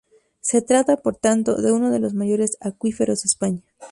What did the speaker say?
Se trata, por tanto, de uno de los mayores acuíferos de España.